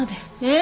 え？